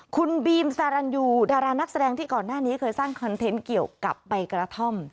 คุณบีมสารันยูดารานักแสดงที่ก่อนหน้านี้เคยสร้างคอนเทนต์เกี่ยวกับใบกระท่อม